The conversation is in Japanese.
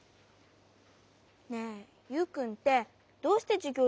ねえユウくんってどうしてじゅぎょう